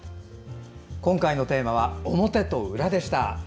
今回のテーマは「表と裏」でした。